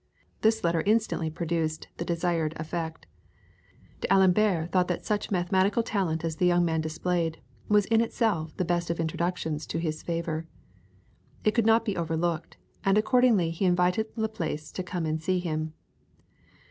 This letter instantly produced the desired effect. D'Alembert thought that such mathematical talent as the young man displayed was in itself the best of introductions to his favour. It could not be overlooked, and accordingly he invited Laplace to come and see him.